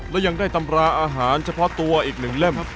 และยังได้ตำราอาหารเฉพาะตัวอีก๑เล่ม